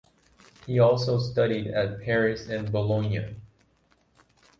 He also studied at Paris and Bologna.